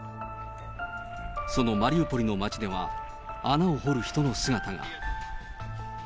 そのマリウポリの街では、穴を掘る人の姿が。